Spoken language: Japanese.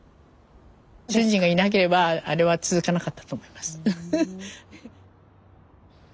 主人がいなければあれは続かなかったと思います。